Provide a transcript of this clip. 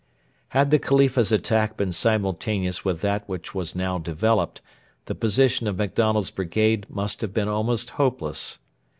Had the Khalifa's attack been simultaneous with that which was now developed, the position of MacDonald's brigade must have been almost hopeless.